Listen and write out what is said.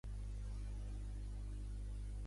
Es casà amb l'arxiduquessa Maria Josepa d'Àustria.